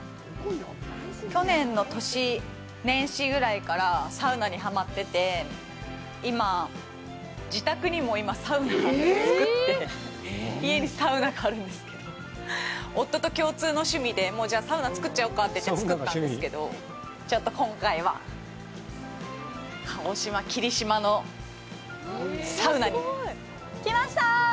去年の年、年始ぐらいからサウナにハマってて今、自宅にもサウナ作って家にサウナがあるんですけど夫と共通の趣味でもうじゃあサウナ作っちゃおうかって言って、作ったんですけどちょっと今回は鹿児島、霧島のサウナに来ました。